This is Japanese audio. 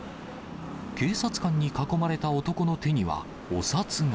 警察官に囲まれた男の手には、お札が。